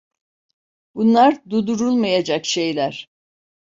Bunlar durdurulmayacak şeyler.